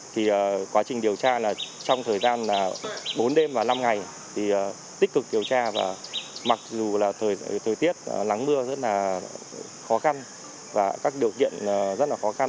thì quá trình điều tra là trong thời gian là bốn đêm và năm ngày thì tích cực điều tra và mặc dù là thời tiết lắng mưa rất là khó khăn và các điều kiện rất là khó khăn